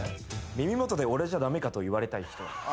「耳元で、「俺じゃダメか？」と言われたい人」